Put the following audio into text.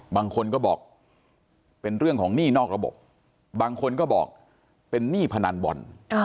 บางคนก็บอกเป็นเรื่องของหนี้นอกระบบบางคนก็บอกเป็นหนี้พนันบอล